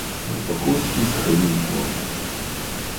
"Wokulski schylił głowę."